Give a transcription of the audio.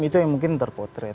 itu yang mungkin terpotret